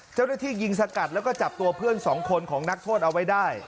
เจ้าหน้าที่ยิงสกัดแล้วก็จับตัวเพื่อนสองคนของนักโทษเอาไว้ได้